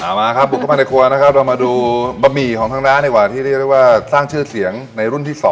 มาครับบุกเข้ามาในครัวนะครับเรามาดูบะหมี่ของทางร้านดีกว่าที่เรียกได้ว่าสร้างชื่อเสียงในรุ่นที่๒